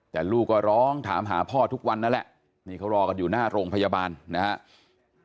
แต่ลูกก็ร้องถามหาพ่อทุกวันนั่นแหละนี่เขารอกันอยู่หน้าโรงพยาบาลนะครับ